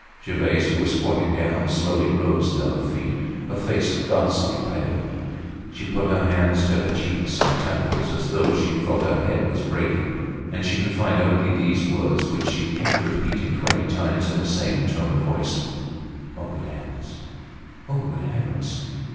Gervaise, who was squatting down, slowly rose to her feet, her face ghastly pale. She put her hands to her cheeks and temples, as though she felt her head was breaking; and she could find only these words, which she repeated twenty times in the same tone of voice: "Ah! good heavens!—ah! good heavens!